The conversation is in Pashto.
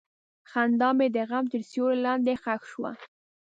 خندا مې د غم تر سیوري لاندې ښخ شوه.